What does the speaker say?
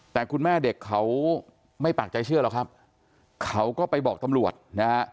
แต่คุณแม่เด็กเขาไม่ปากใจเชื่อหรอกครับเขาก็ไปบอกตำรวจนะฮะ